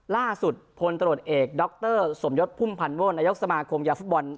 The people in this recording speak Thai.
ล่าสุดพลตรวจเอกด็อกเตอร์สมยศพุ่มพันวลอายุสมาคมยาธุบอล